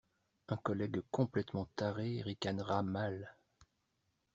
Un collègue complètement taré ricanera mal.